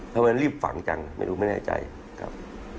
ทำไมรีบฝังจังไม่รู้ไม่แน่ใจครับ